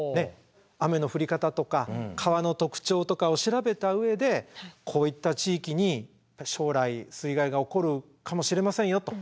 雨の降り方とか川の特徴とかを調べた上でこういった地域に将来水害が起こるかもしれませんよと。